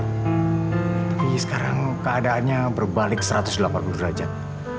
tapi sekarang keadaannya berbalik satu ratus delapan puluh derajat